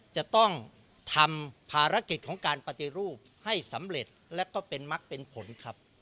จะต้องทำภารกิจของการปฏิรูปให้สำเร็จและก็เป็นมักเป็นผลครับ